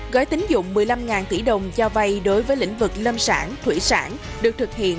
gói tính dụng một mươi năm tỷ đồng cho vay đối với lĩnh vực lâm sản thủy sản được thực hiện